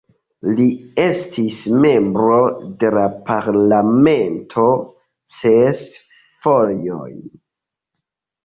Li estis membro de la Parlamento ses fojojn.